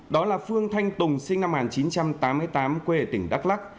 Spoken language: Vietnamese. đó là phương thanh tùng sinh năm một nghìn chín trăm tám mươi ba